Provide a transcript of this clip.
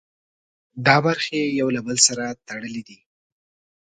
دا برخې یو له بل سره تړلي دي.